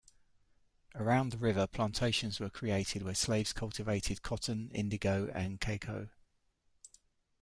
Around the river, plantations were created where slaves cultivated cotton, indigo and cacao.